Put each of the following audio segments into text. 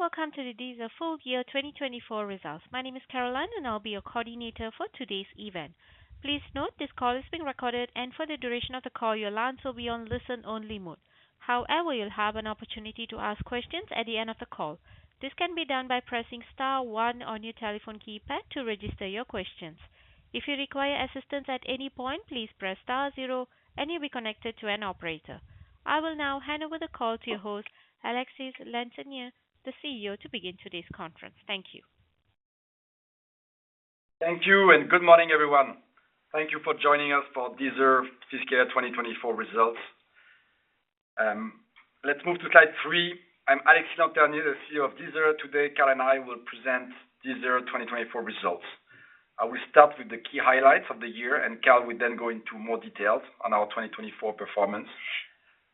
Welcome to the Deezer full year 2024 results. My name is Caroline, and I'll be your coordinator for today's event. Please note this call is being recorded, and for the duration of the call, your lines will be on listen-only mode. However, you'll have an opportunity to ask questions at the end of the call. This can be done by pressing star one on your telephone keypad to register your questions. If you require assistance at any point, please press star zero, and you'll be connected to an operator. I will now hand over the call to your host, Alexis Lanternier, the CEO, to begin today's conference. Thank you. Thank you, and good morning, everyone. Thank you for joining us for Deezer fiscal year 2024 results. Let's move to slide three. I'm Alexis Lanternier, the CEO of Deezer. Today, Carl and I will present Deezer 2024 results. I will start with the key highlights of the year, and Carl will then go into more details on our 2024 performance.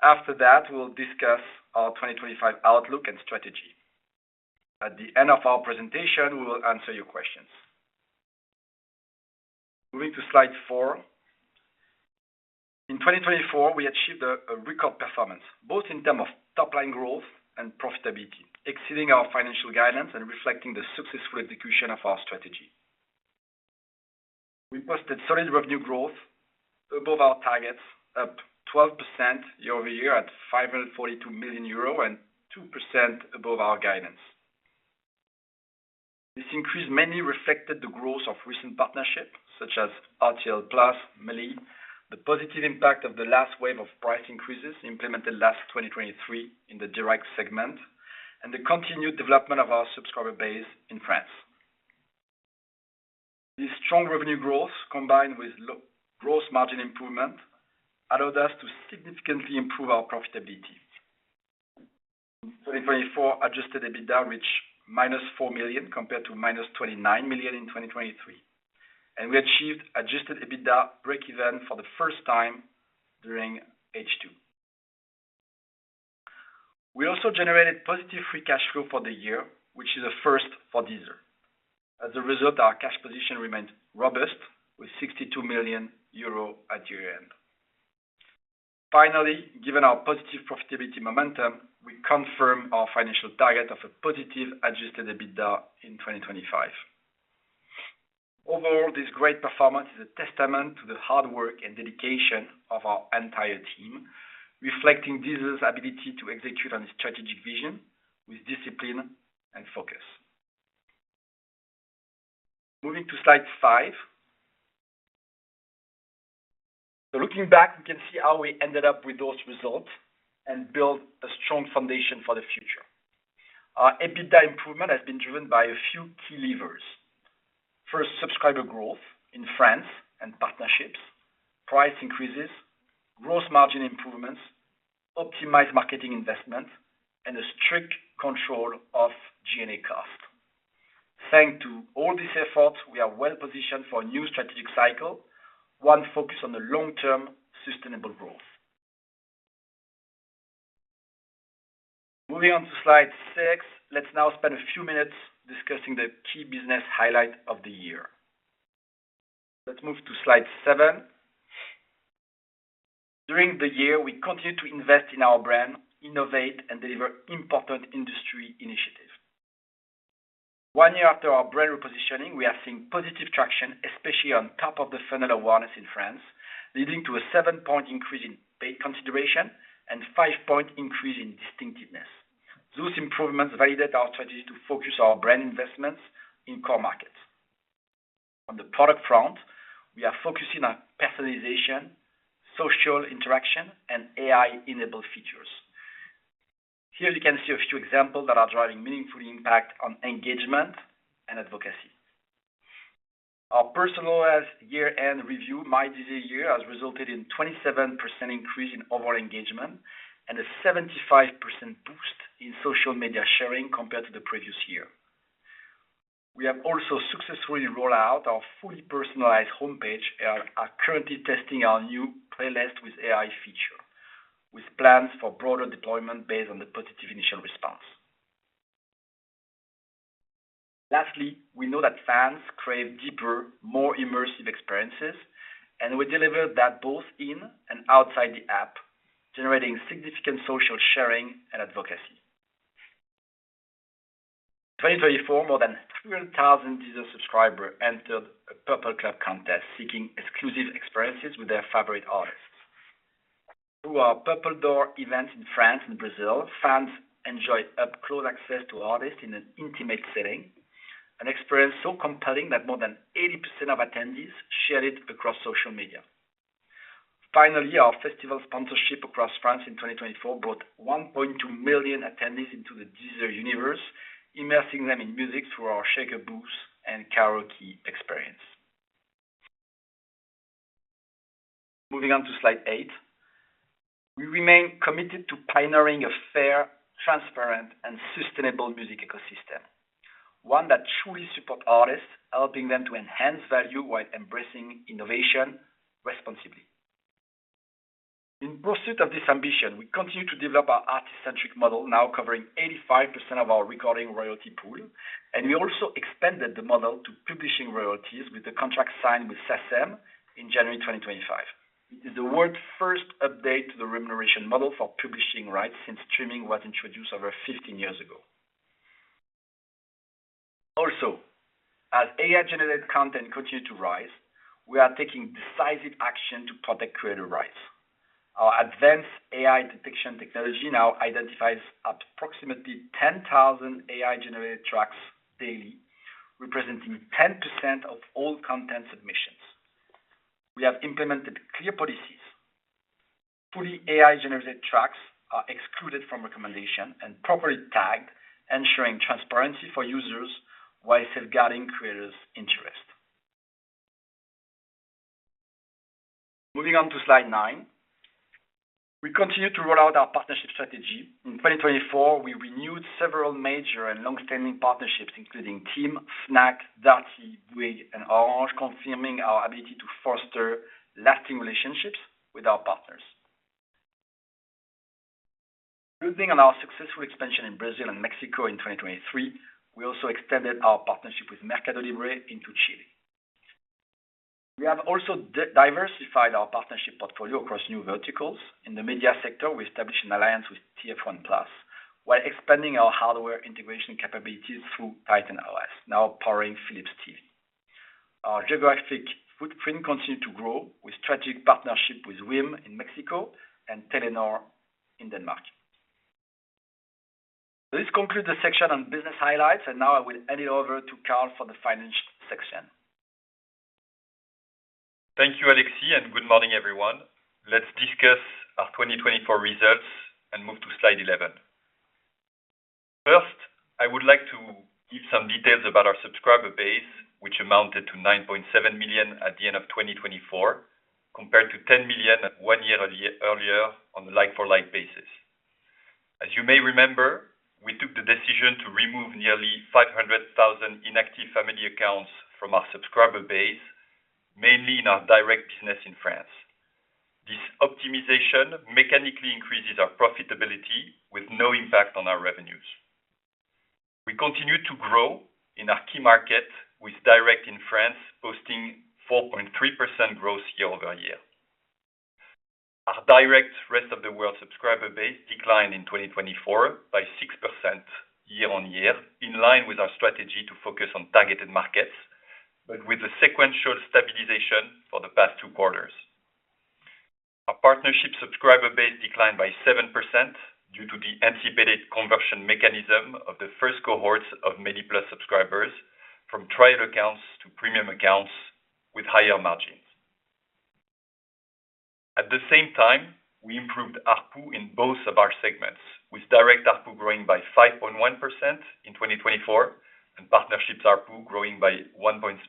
After that, we'll discuss our 2025 outlook and strategy. At the end of our presentation, we will answer your questions. Moving to slide four. In 2024, we achieved a record performance, both in terms of top-line growth and profitability, exceeding our financial guidance and reflecting the successful execution of our strategy. We posted solid revenue growth above our targets, up 12% year-over-year at 542 million euro and 2% above our guidance. This increase mainly reflected the growth of recent partnerships, such as RTL+, Meli, the positive impact of the last wave of price increases implemented last 2023 in the direct segment, and the continued development of our subscriber base in France. This strong revenue growth, combined with gross margin improvement, allowed us to significantly improve our profitability. In 2024, adjusted EBITDA reached -4 million compared to -29 million in 2023, and we achieved adjusted EBITDA break-even for the first time during H2. We also generated positive free cash flow for the year, which is a first for Deezer. As a result, our cash position remained robust, with 62 million euro at year-end. Finally, given our positive profitability momentum, we confirm our financial target of a positive adjusted EBITDA in 2025. Overall, this great performance is a testament to the hard work and dedication of our entire team, reflecting Deezer's ability to execute on its strategic vision with discipline and focus. Moving to slide five. Looking back, we can see how we ended up with those results and built a strong foundation for the future. Our EBITDA improvement has been driven by a few key levers. First, subscriber growth in France and partnerships, price increases, gross margin improvements, optimized marketing investment, and a strict control of G&A cost. Thanks to all these efforts, we are well-positioned for a new strategic cycle, one focused on the long-term sustainable growth. Moving on to slide six, let's now spend a few minutes discussing the key business highlight of the year. Let's move to slide seven. During the year, we continue to invest in our brand, innovate, and deliver important industry initiatives. One year after our brand repositioning, we are seeing positive traction, especially on top of the funnel awareness in France, leading to a seven-percentage point increase in paid consideration and a five-percentage point increase in distinctiveness. Those improvements validate our strategy to focus our brand investments in core markets. On the product front, we are focusing on personalization, social interaction, and AI-enabled features. Here, you can see a few examples that are driving meaningful impact on engagement and advocacy. Our personalized year-end review, My Deezer Year, has resulted in a 27% increase in overall engagement and a 75% boost in social media sharing compared to the previous year. We have also successfully rolled out our fully personalized homepage and are currently testing our new playlist with AI features, with plans for broader deployment based on the positive initial response. Lastly, we know that fans crave deeper, more immersive experiences, and we deliver that both in and outside the app, generating significant social sharing and advocacy. In 2024, more than 300,000 Deezer subscribers entered a Purple Club contest seeking exclusive experiences with their favorite artists. Through our Purple Door events in France and Brazil, fans enjoyed up-close access to artists in an intimate setting, an experience so compelling that more than 80% of attendees shared it across social media. Finally, our festival sponsorship across France in 2024 brought 1.2 million attendees into the Deezer universe, immersing them in music through our shaker booths and karaoke experience. Moving on to slide eight, we remain committed to pioneering a fair, transparent, and sustainable music ecosystem, one that truly supports artists, helping them to enhance value while embracing innovation responsibly. In pursuit of this ambition, we continue to develop our artist-centric model, now covering 85% of our recording royalty pool, and we also expanded the model to publishing royalties with the contract signed with SACEM in January 2025. It is the world's first update to the remuneration model for publishing rights since streaming was introduced over 15 years ago. Also, as AI-generated content continues to rise, we are taking decisive action to protect creator rights. Our advanced AI detection technology now identifies approximately 10,000 AI-generated tracks daily, representing 10% of all content submissions. We have implemented clear policies. Fully AI-generated tracks are excluded from recommendation and properly tagged, ensuring transparency for users while safeguarding creators' interest. Moving on to slide nine, we continue to roll out our partnership strategy. In 2024, we renewed several major and long-standing partnerships, including TEAM, FNAC, Darty, Bouygues, and Orange, confirming our ability to foster lasting relationships with our partners. Building on our successful expansion in Brazil and Mexico in 2023, we also extended our partnership with Mercado Libre into Chile. We have also diversified our partnership portfolio across new verticals. In the media sector, we established an alliance with TF1+ while expanding our hardware integration capabilities through Titan OS, now powering Philips TV. Our geographic footprint continues to grow with strategic partnerships with WIM in Mexico and Telenor in Denmark. This concludes the section on business highlights, and now I will hand it over to Carl for the finance section. Thank you, Alexis, and good morning, everyone. Let's discuss our 2024 results and move to slide 11. First, I would like to give some details about our subscriber base, which amounted to 9.7 million at the end of 2024, compared to 10 million one year earlier on a like-for-like basis. As you may remember, we took the decision to remove nearly 500,000 inactive family accounts from our subscriber base, mainly in our direct business in France. This optimization mechanically increases our profitability with no impact on our revenues. We continue to grow in our key market, with direct in France posting 4.3% growth year-over-year. Our direct rest-of-the-world subscriber base declined in 2024 by 6% year-on-year, in line with our strategy to focus on targeted markets, but with a sequential stabilization for the past two quarters. Our partnership subscriber base declined by 7% due to the anticipated conversion mechanism of the first cohorts of Deezer Family subscribers from trial accounts to premium accounts with higher margins. At the same time, we improved ARPU in both of our segments, with direct ARPU growing by 5.1% in 2024 and partnerships ARPU growing by 1.5%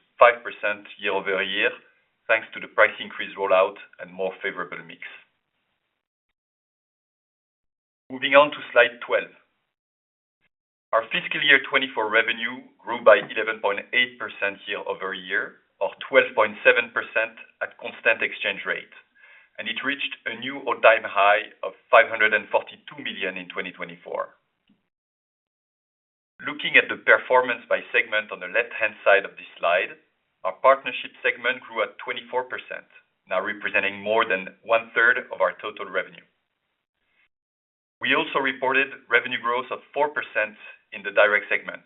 year-over-year, thanks to the price increase rollout and more favorable mix. Moving on to slide 12. Our fiscal year 2024 revenue grew by 11.8% year-over-year, or 12.7% at constant exchange rate, and it reached a new all-time high of 542 million in 2024. Looking at the performance by segment on the left-hand side of this slide, our partnership segment grew at 24%, now representing more than one-third of our total revenue. We also reported revenue growth of 4% in the direct segment,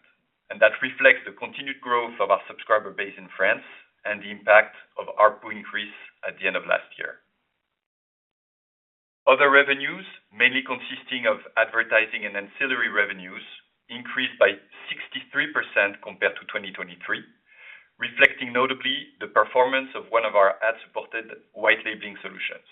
and that reflects the continued growth of our subscriber base in France and the impact of ARPU increase at the end of last year. Other revenues, mainly consisting of advertising and ancillary revenues, increased by 63% compared to 2023, reflecting notably the performance of one of our ad-supported white labeling solutions.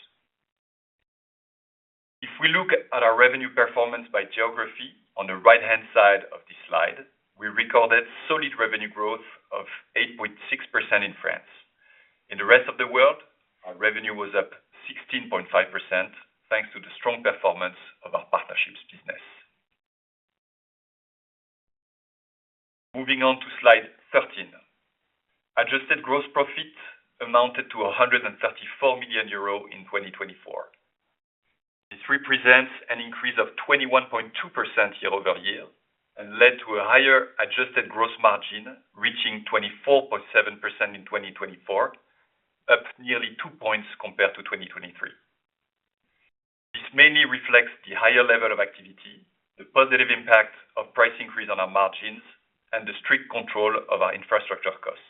If we look at our revenue performance by geography on the right-hand side of this slide, we recorded solid revenue growth of 8.6% in France. In the rest of the world, our revenue was up 16.5%, thanks to the strong performance of our partnerships business. Moving on to slide 13. Adjusted gross profit amounted to 134 million euro in 2024. This represents an increase of 21.2% year-over-year and led to a higher adjusted gross margin reaching 24.7% in 2024, up nearly two percentage points compared to 2023. This mainly reflects the higher level of activity, the positive impact of price increase on our margins, and the strict control of our infrastructure costs.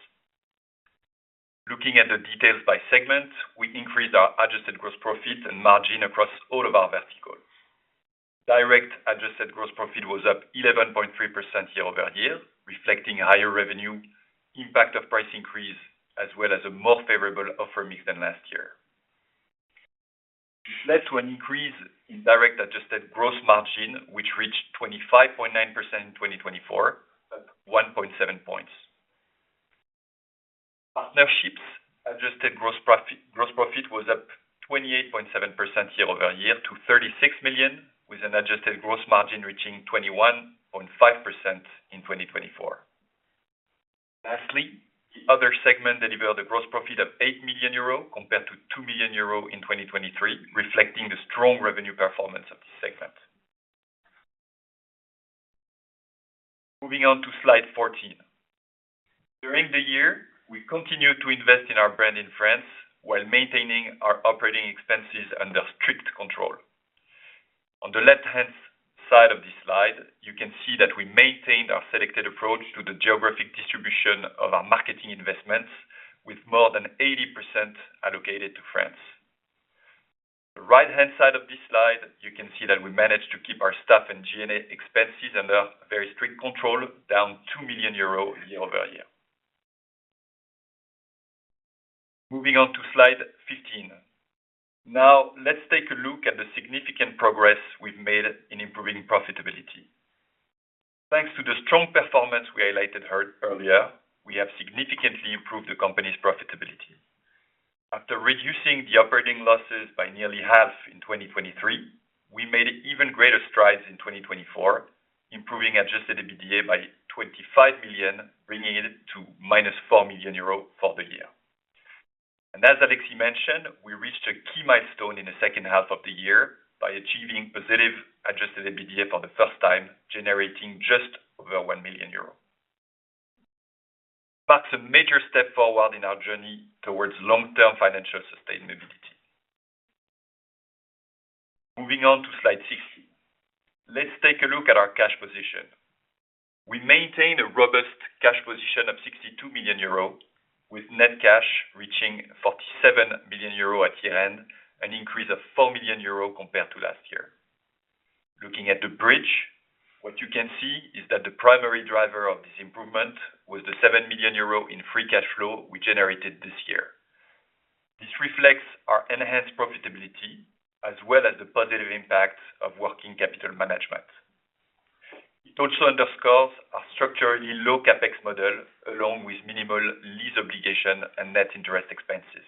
Looking at the details by segment, we increased our adjusted gross profit and margin across all of our verticals. Direct adjusted gross profit was up 11.3% year-over-year, reflecting higher revenue, impact of price increase, as well as a more favorable offer mix than last year. This led to an increase in direct adjusted gross margin, which reached 25.9% in 2024, up 1.7 percentage points. Partnerships adjusted gross profit was up 28.7% year-over-year to 36 million, with an adjusted gross margin reaching 21.5% in 2024. Lastly, the other segment delivered a gross profit of 8 million euros compared to 2 million euros in 2023, reflecting the strong revenue performance of this segment. Moving on to slide 14. During the year, we continued to invest in our brand in France while maintaining our operating expenses under strict control. On the left-hand side of this slide, you can see that we maintained our selected approach to the geographic distribution of our marketing investments, with more than 80% allocated to France. On the right-hand side of this slide, you can see that we managed to keep our staff and G&A expenses under very strict control, down 2 million euros year-over-year. Moving on to slide 15. Now, let's take a look at the significant progress we've made in improving profitability. Thanks to the strong performance we highlighted earlier, we have significantly improved the company's profitability. After reducing the operating losses by nearly half in 2023, we made even greater strides in 2024, improving adjusted EBITDA by 25 million, bringing it to 4 million euro for the year. As Alexis mentioned, we reached a key milestone in the second half of the year by achieving positive adjusted EBITDA for the first time, generating just over 1 million euros. That is a major step forward in our journey towards long-term financial sustainability. Moving on to slide 16. Let's take a look at our cash position. We maintain a robust cash position of 62 million euro, with net cash reaching 47 million euro at year-end, an increase of 4 million euro compared to last year. Looking at the bridge, what you can see is that the primary driver of this improvement was the 7 million euro in free cash flow we generated this year. This reflects our enhanced profitability as well as the positive impact of working capital management. It also underscores our structurally low capex model, along with minimal lease obligation and net interest expenses.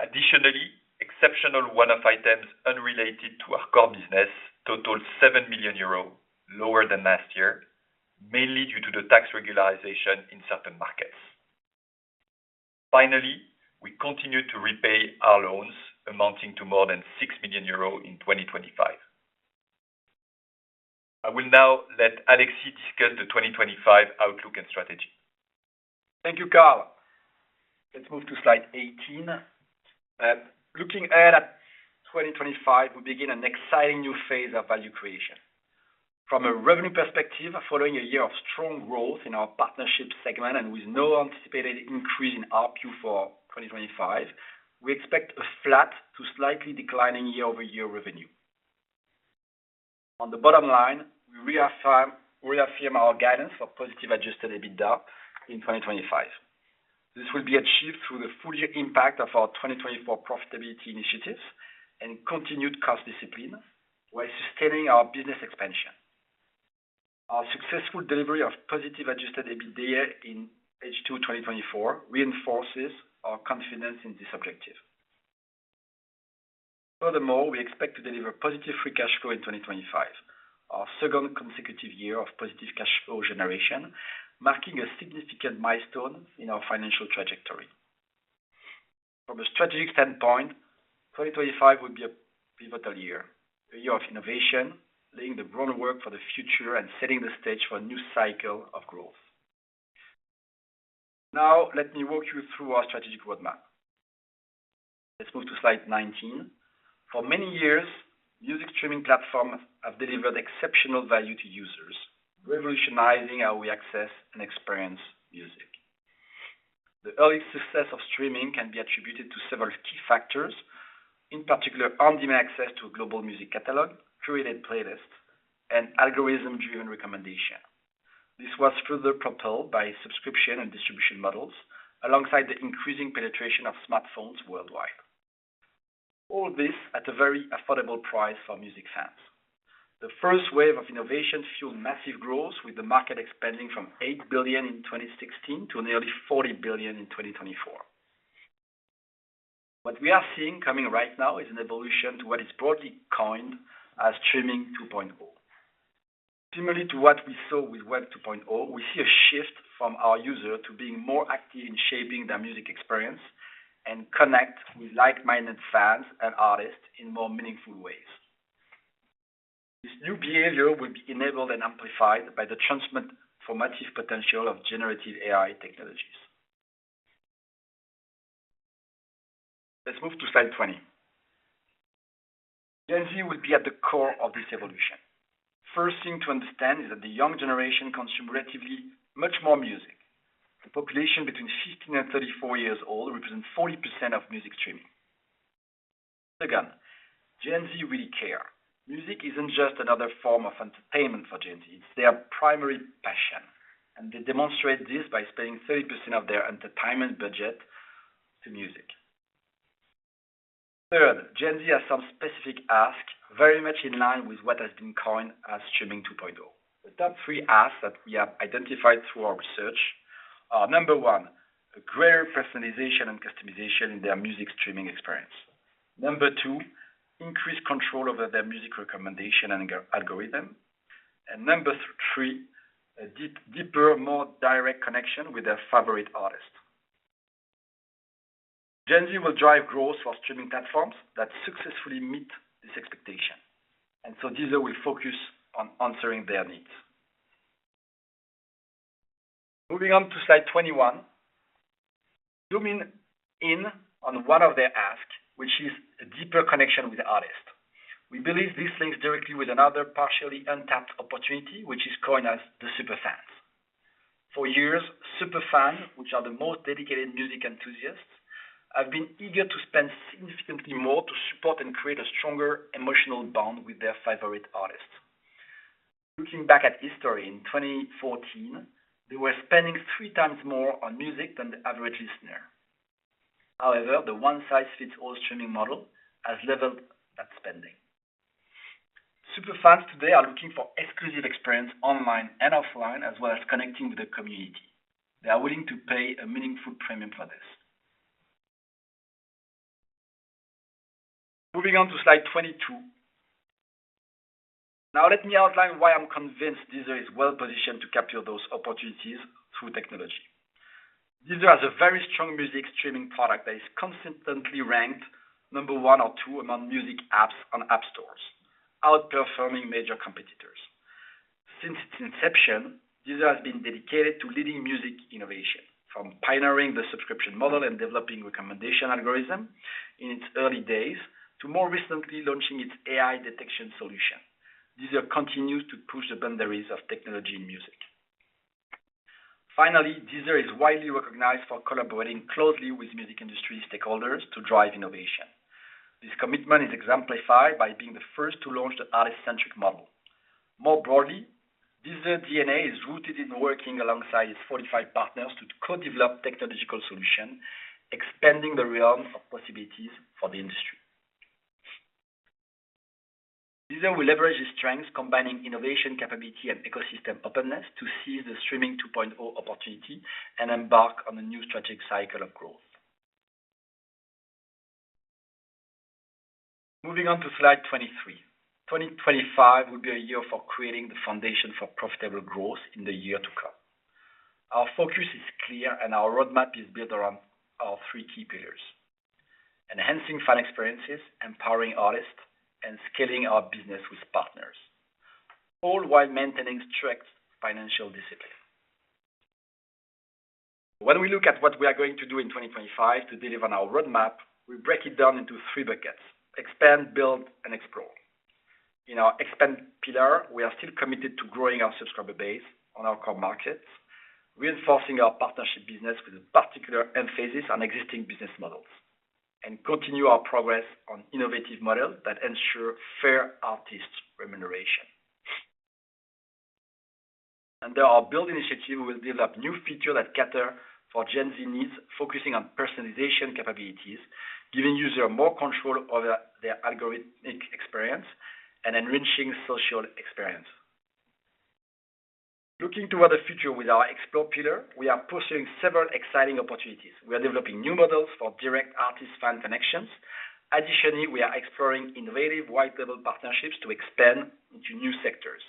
Additionally, exceptional one-off items unrelated to our core business totaled 7 million euros, lower than last year, mainly due to the tax regularization in certain markets. Finally, we continue to repay our loans, amounting to more than 6 million euros in 2025. I will now let Alexis discuss the 2025 outlook and strategy. Thank you, Carl. Let's move to slide 18. Looking ahead at 2025, we begin an exciting new phase of value creation. From a revenue perspective, following a year of strong growth in our partnership segment and with no anticipated increase in ARPU for 2025, we expect a flat to slightly declining year-over-year revenue. On the bottom line, we reaffirm our guidance for positive adjusted EBITDA in 2025. This will be achieved through the full impact of our 2024 profitability initiatives and continued cost discipline while sustaining our business expansion. Our successful delivery of positive adjusted EBITDA in H2 2024 reinforces our confidence in this objective. Furthermore, we expect to deliver positive free cash flow in 2025, our second consecutive year of positive cash flow generation, marking a significant milestone in our financial trajectory. From a strategic standpoint, 2025 will be a pivotal year, a year of innovation, laying the groundwork for the future and setting the stage for a new cycle of growth. Now, let me walk you through our strategic roadmap. Let's move to slide 19. For many years, music streaming platforms have delivered exceptional value to users, revolutionizing how we access and experience music. The early success of streaming can be attributed to several key factors, in particular, on-demand access to a global music catalog, curated playlists, and algorithm-driven recommendation. This was further propelled by subscription and distribution models, alongside the increasing penetration of smartphones worldwide. All this at a very affordable price for music fans. The first wave of innovation fueled massive growth, with the market expanding from 8 billion in 2016 to nearly 40 billion in 2024. What we are seeing coming right now is an evolution to what is broadly coined as Streaming 2.0. Similarly to what we saw with Web 2.0, we see a shift from our user to being more active in shaping their music experience and connect with like-minded fans and artists in more meaningful ways. This new behavior will be enabled and amplified by the transformative potential of generative AI technologies. Let's move to slide 20. Gen Z will be at the core of this evolution. The first thing to understand is that the young generation consumes relatively much more music. The population between 15 and 34 years old represents 40% of music streaming. Second, Gen Z really cares. Music isn't just another form of entertainment for Gen Z. It's their primary passion, and they demonstrate this by spending 30% of their entertainment budget to music. Third, Gen Z has some specific asks very much in line with what has been coined as Streaming 2.0. The top three asks that we have identified through our research are: number one, a greater personalization and customization in their music streaming experience; number two, increased control over their music recommendation and algorithm; and number three, a deeper, more direct connection with their favorite artist. Gen Z will drive growth for streaming platforms that successfully meet this expectation, and Deezer will focus on answering their needs. Moving on to slide 21. Zooming in on one of their asks, which is a deeper connection with the artist. We believe this links directly with another partially untapped opportunity, which is coined as the super fans. For years, super fans, which are the most dedicated music enthusiasts, have been eager to spend significantly more to support and create a stronger emotional bond with their favorite artists. Looking back at history in 2014, they were spending three times more on music than the average listener. However, the one-size-fits-all streaming model has leveled that spending. Super fans today are looking for exclusive experiences online and offline, as well as connecting with the community. They are willing to pay a meaningful premium for this. Moving on to slide 22. Now, let me outline why I'm convinced Deezer is well-positioned to capture those opportunities through technology. Deezer has a very strong music streaming product that is consistently ranked number one or two among music apps on app stores, outperforming major competitors. Since its inception, Deezer has been dedicated to leading music innovation, from pioneering the subscription model and developing recommendation algorithms in its early days to more recently launching its AI detection solution. Deezer continues to push the boundaries of technology in music. Finally, Deezer is widely recognized for collaborating closely with music industry stakeholders to drive innovation. This commitment is exemplified by being the first to launch the artist-centric model. More broadly, Deezer's DNA is rooted in working alongside its 45 partners to co-develop technological solutions, expanding the realm of possibilities for the industry. Deezer will leverage its strengths, combining innovation capability and ecosystem openness, to seize the Streaming 2.0 opportunity and embark on a new strategic cycle of growth. Moving on to slide 23. 2025 will be a year for creating the foundation for profitable growth in the year to come. Our focus is clear, and our roadmap is built around our three key pillars: enhancing fan experiences, empowering artists, and scaling our business with partners, all while maintaining strict financial discipline. When we look at what we are going to do in 2025 to deliver on our roadmap, we break it down into three buckets: expand, build, and explore. In our expand pillar, we are still committed to growing our subscriber base on our core markets, reinforcing our partnership business with a particular emphasis on existing business models, and continuing our progress on innovative models that ensure fair artist remuneration. Under our build initiative, we will develop new features that cater for Gen Z needs, focusing on personalization capabilities, giving users more control over their algorithmic experience, and enriching social experience. Looking toward the future with our explore pillar, we are pursuing several exciting opportunities. We are developing new models for direct artist-fan connections. Additionally, we are exploring innovative white-label partnerships to expand into new sectors,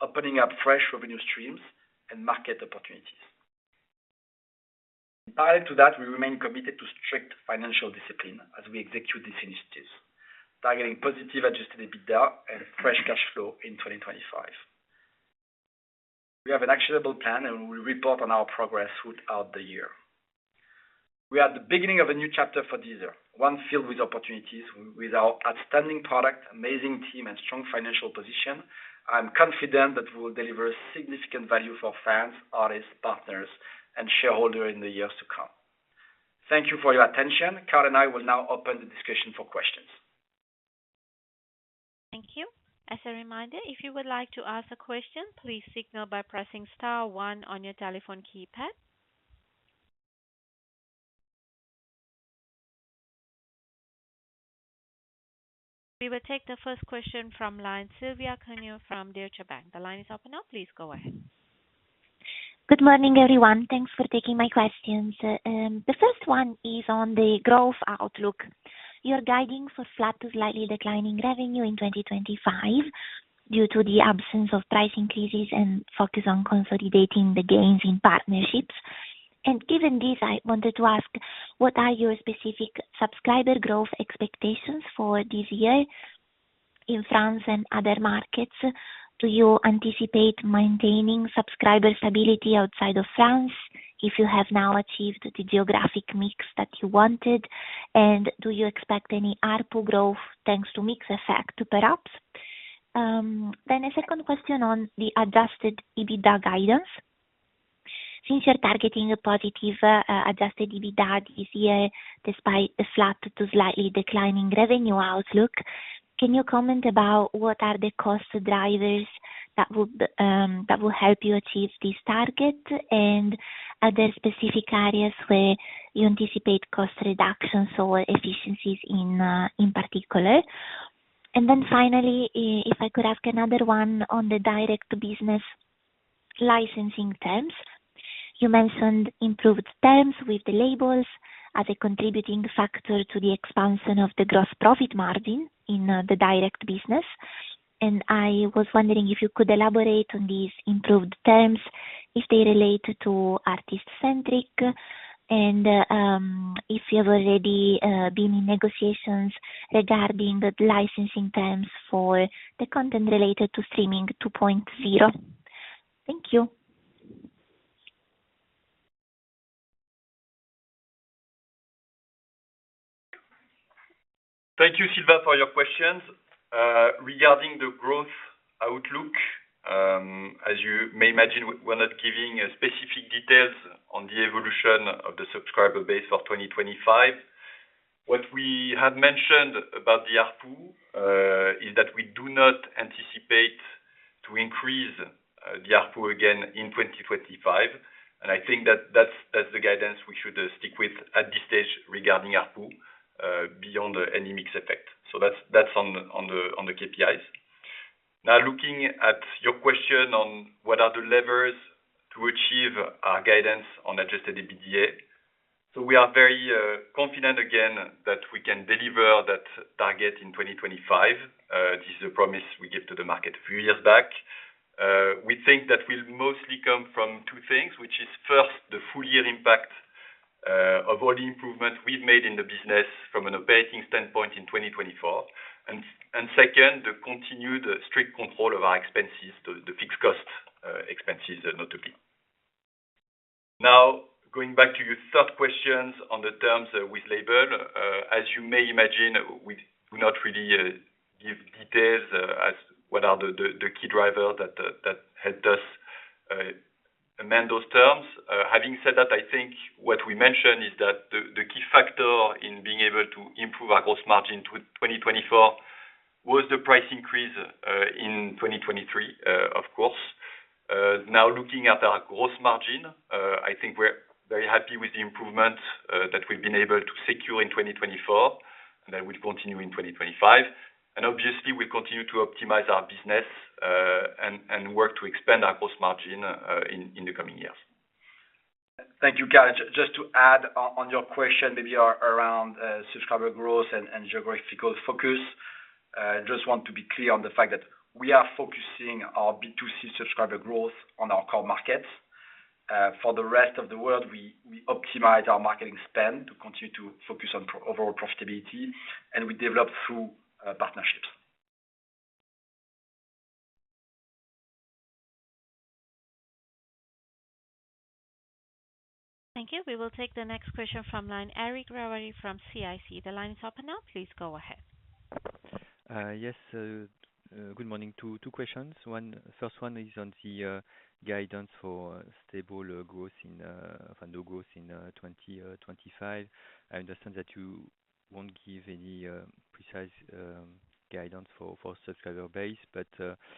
opening up fresh revenue streams and market opportunities. In parallel to that, we remain committed to strict financial discipline as we execute these initiatives, targeting positive adjusted EBITDA and fresh cash flow in 2025. We have an actionable plan, and we will report on our progress throughout the year. We are at the beginning of a new chapter for Deezer, one filled with opportunities. With our outstanding product, amazing team, and strong financial position, I'm confident that we will deliver significant value for fans, artists, partners, and shareholders in the years to come. Thank you for your attention. Carl and I will now open the discussion for questions. Thank you. As a reminder, if you would like to ask a question, please signal by pressing star one on your telephone keypad. We will take the first question from line Silvia Cuneo from Deutsche Bank. The line is open now. Please go ahead. Good morning, everyone. Thanks for taking my questions. The first one is on the growth outlook. You're guiding for flat to slightly declining revenue in 2025 due to the absence of price increases and focus on consolidating the gains in partnerships. Given this, I wanted to ask, what are your specific subscriber growth expectations for this year in France and other markets? Do you anticipate maintaining subscriber stability outside of France if you have now achieved the geographic mix that you wanted? Do you expect any ARPU growth thanks to mix effect too perhaps? A second question on the adjusted EBITDA guidance. Since you're targeting a positive adjusted EBITDA this year despite a flat to slightly declining revenue outlook, can you comment about what are the cost drivers that will help you achieve this target and other specific areas where you anticipate cost reductions or efficiencies in particular? Finally, if I could ask another one on the direct business licensing terms. You mentioned improved terms with the labels as a contributing factor to the expansion of the gross profit margin in the direct business. I was wondering if you could elaborate on these improved terms, if they relate to artist-centric, and if you've already been in negotiations regarding the licensing terms for the content related to Streaming 2.0. Thank you. Thank you, Silvia, for your questions regarding the growth outlook. As you may imagine, we're not giving specific details on the evolution of the subscriber base for 2025. What we have mentioned about the ARPU is that we do not anticipate increasing the ARPU again in 2025. I think that that's the guidance we should stick with at this stage regarding ARPU beyond any mix effect. That's on the KPIs. Now, looking at your question on what are the levers to achieve our guidance on adjusted EBITDA, we are very confident again that we can deliver that target in 2025. This is a promise we gave to the market a few years back. We think that will mostly come from two things, which is first, the full-year impact of all the improvements we've made in the business from an operating standpoint in 2024, and second, the continued strict control of our expenses, the fixed cost expenses notably. Now, going back to your third question on the terms with label, as you may imagine, we do not really give details as to what are the key drivers that help us amend those terms. Having said that, I think what we mentioned is that the key factor in being able to improve our gross margin to 2024 was the price increase in 2023, of course. Now, looking at our gross margin, I think we're very happy with the improvements that we've been able to secure in 2024, and that will continue in 2025. Obviously, we'll continue to optimize our business and work to expand our gross margin in the coming years. Thank you, Carl. Just to add on your question, maybe around subscriber growth and geographical focus, I just want to be clear on the fact that we are focusing our B2C subscriber growth on our core markets. For the rest of the world, we optimize our marketing spend to continue to focus on overall profitability, and we develop through partnerships. Thank you. We will take the next question from line Eric Ravary from CIC. The line is open now. Please go ahead. Yes. Good morning. Two questions. First one is on the guidance for stable growth in, or no growth in 2025. I understand that you won't give any precise guidance for subscriber base, but does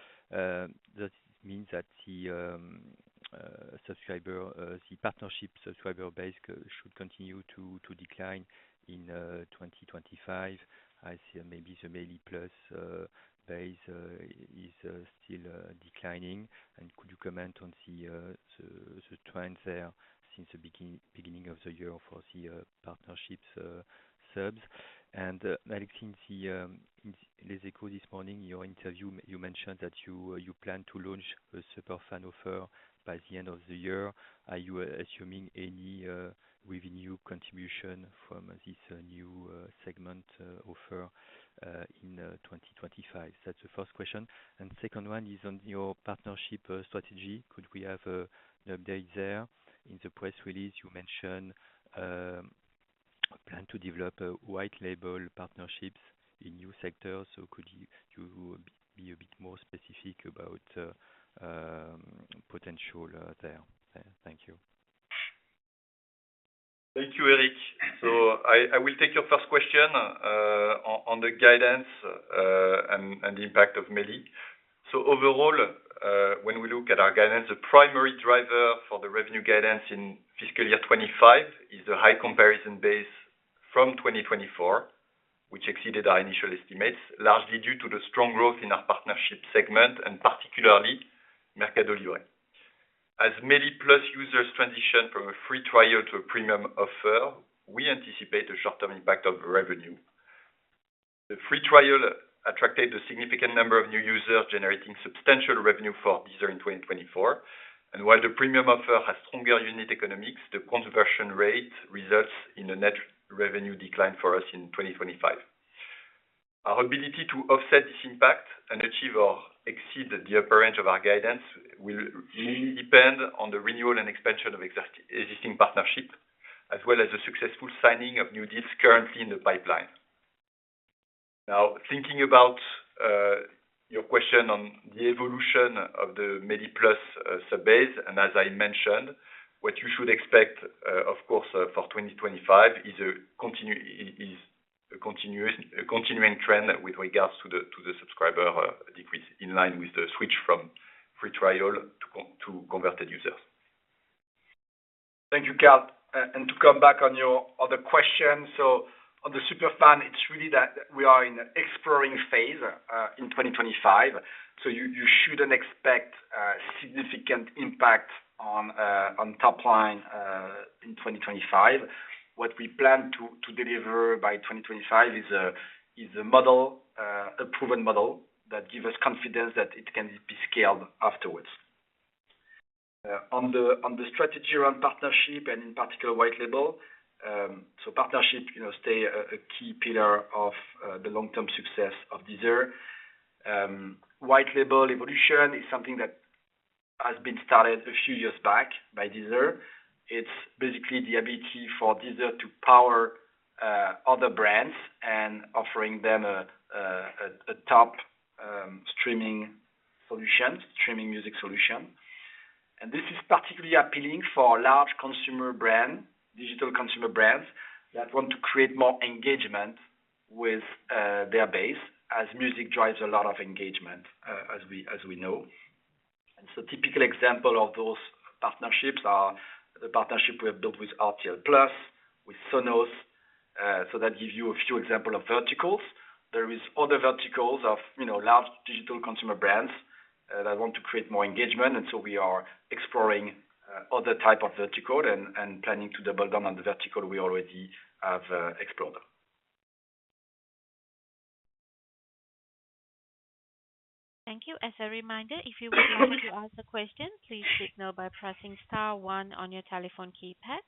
it mean that the partnership subscriber base should continue to decline in 2025 as maybe the Medi+ base is still declining? Could you comment on the trends there since the beginning of the year for the partnerships subs? Alexis, in Les Echos this morning, in your interview, you mentioned that you plan to launch a super fan offer by the end of the year. Are you assuming any revenue contribution from this new segment offer in 2025? That's the first question. The second one is on your partnership strategy. Could we have an update there? In the press release, you mentioned a plan to develop white-label partnerships in new sectors. Could you be a bit more specific about potential there? Thank you. Thank you, Eric. I will take your first question on the guidance and the impact of mainly. Overall, when we look at our guidance, the primary driver for the revenue guidance in fiscal year 2025 is the high comparison base from 2024, which exceeded our initial estimates, largely due to the strong growth in our partnership segment, and particularly Mercado Libre. As Mercado Libre users transition from a free trial to a premium offer, we anticipate a short-term impact of revenue. The free trial attracted a significant number of new users, generating substantial revenue for Deezer in 2024. While the premium offer has stronger unit economics, the conversion rate results in a net revenue decline for us in 2025. Our ability to offset this impact and achieve or exceed the upper range of our guidance will mainly depend on the renewal and expansion of existing partnerships, as well as the successful signing of new deals currently in the pipeline. Now, thinking about your question on the evolution of the Medi+ subbase, and as I mentioned, what you should expect, of course, for 2025 is a continuing trend with regards to the subscriber decrease in line with the switch from free trial to converted users. Thank you, To come back on your other question, on the super fan, it's really that we are in an exploring phase in 2025. You shouldn't expect a significant impact on top line in 2025. What we plan to deliver by 2025 is a proven model that gives us confidence that it can be scaled afterwards. On the strategy around partnership and in particular white-label, partnership stays a key pillar of the long-term success of Deezer. White-label evolution is something that has been started a few years back by Deezer. It's basically the ability for Deezer to power other brands and offer them a top streaming music solution. This is particularly appealing for large consumer brands, digital consumer brands that want to create more engagement with their base as music drives a lot of engagement, as we know. Typical examples of those partnerships are the partnership we have built with RTL Plus, with Sonos. That gives you a few examples of verticals. There are other verticals of large digital consumer brands that want to create more engagement. We are exploring other types of verticals and planning to double down on the vertical we already have explored. Thank you. As a reminder, if you would like to ask a question, please signal by pressing star one on your telephone keypad.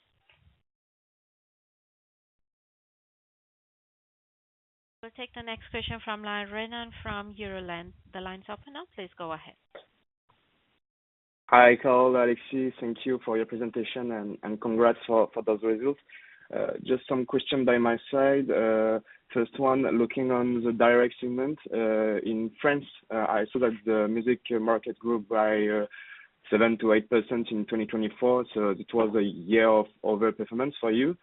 We'll take the next question from Renan from Euroland. The line's open now. Please go ahead. Hi, Carl, Alexis. Thank you for your presentation and congrats for those results. Just some questions by my side. First one, looking on the direct segment in France, I saw that the music market grew by 7-8% in 2024. It was a year of overperformance for you.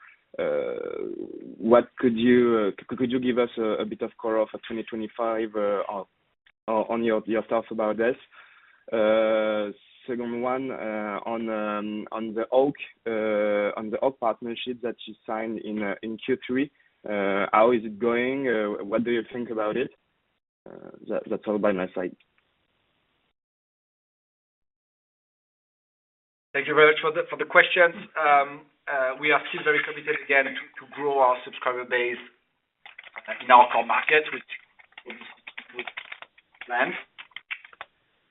What could you give us a bit of color for 2025 on your thoughts about this? Second one, on the OAK partnership that you signed in Q3, how is it going? What do you think about it? That's all by my side. Thank you very much for the questions. We are still very committed again to grow our subscriber base in our core market, which is planned.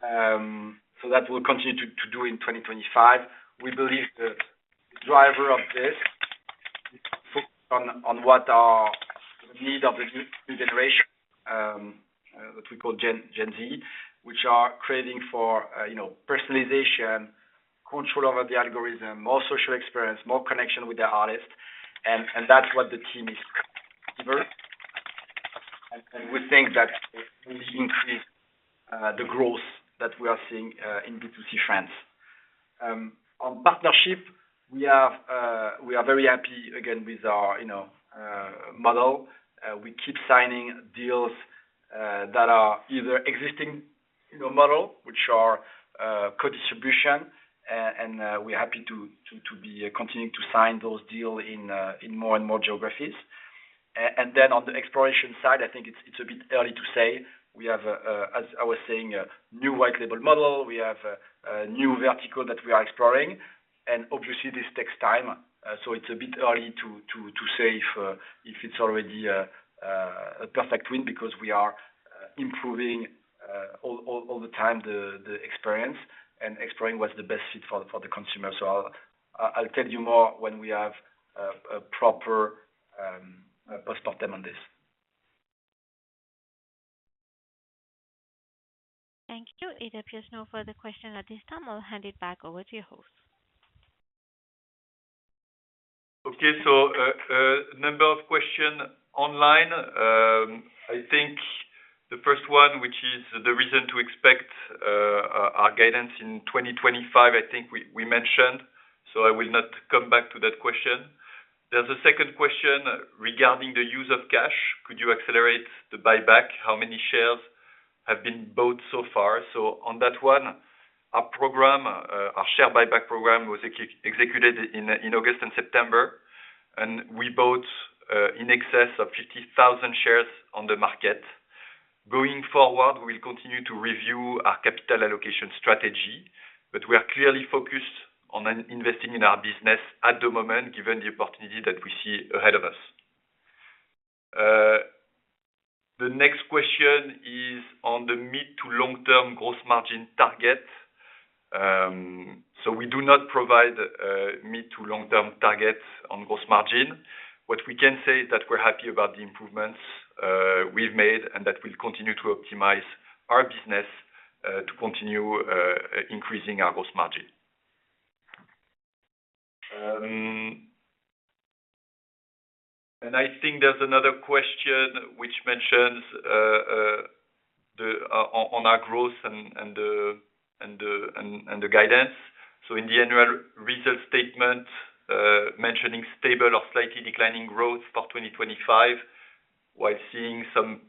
That will continue to do in 2025. We believe the driver of this is focused on what are the needs of the new generation, what we call Gen Z, which are craving for personalization, control over the algorithm, more social experience, more connection with the artists. That is what the team is focused on. We think that will increase the growth that we are seeing in B2C France. On partnership, we are very happy again with our model. We keep signing deals that are either existing model, which are co-distribution, and we are happy to be continuing to sign those deals in more and more geographies. On the exploration side, I think it is a bit early to say. We have, as I was saying, a new white-label model. We have a new vertical that we are exploring. Obviously, this takes time. It is a bit early to say if it is already a perfect win because we are improving all the time the experience and exploring what is the best fit for the consumer. I will tell you more when we have a proper post-mortem on this. Thank you. It appears no further questions at this time. I'll hand it back over to your host. Okay. A number of questions online. I think the first one, which is the reason to expect our guidance in 2025, I think we mentioned. I will not come back to that question. There's a second question regarding the use of cash. Could you accelerate the buyback? How many shares have been bought so far? On that one, our share buyback program was executed in August and September, and we bought in excess of 50,000 shares on the market. Going forward, we will continue to review our capital allocation strategy, but we are clearly focused on investing in our business at the moment, given the opportunity that we see ahead of us. The next question is on the mid to long-term gross margin target. We do not provide mid to long-term targets on gross margin. What we can say is that we're happy about the improvements we've made and that we'll continue to optimize our business to continue increasing our gross margin. I think there's another question which mentions on our growth and the guidance. In the annual result statement, mentioning stable or slightly declining growth for 2025, while seeing some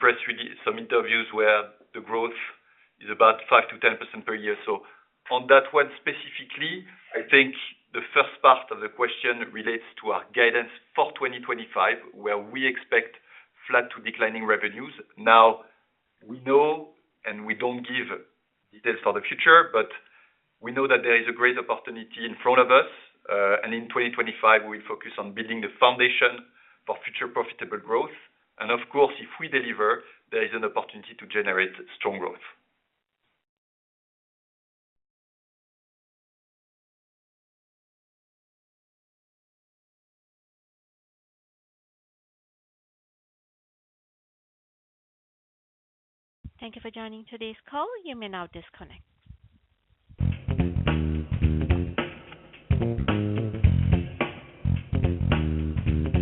interviews where the growth is about 5-10% per year. On that one specifically, I think the first part of the question relates to our guidance for 2025, where we expect flat to declining revenues. Now, we know, and we don't give details for the future, but we know that there is a great opportunity in front of us. In 2025, we will focus on building the foundation for future profitable growth. Of course, if we deliver, there is an opportunity to generate strong growth. Thank you for joining today's call. You may now disconnect.